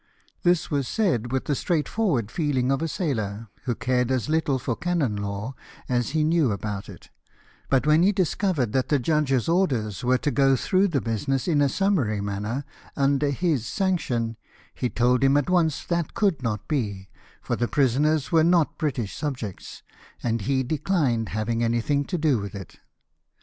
This Avas said with the straightforward feehng of a sailor, who cared as little for canon law as he knew about it ; but when he discovered that the judge's orders were to go through the business in a summary manner, under his sanction, he told him at once that could not be, for the prisoners were not British subjects, and he de cHned having anything to do with it.